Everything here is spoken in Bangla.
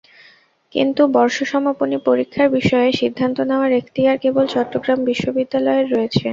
কিন্তু বর্ষ সমাপনী পরীক্ষার বিষয়ে সিদ্ধান্ত নেওয়ার এখতিয়ার কেবল চট্টগ্রাম বিশ্ববিদ্যালয়ের রয়েছে।